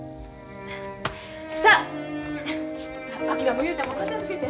さあ昭も雄太も片づけて。